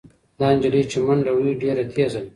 دا نجلۍ چې منډه وهي ډېره تېزه ده.